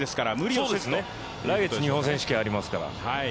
来月、日本選手権ありますから。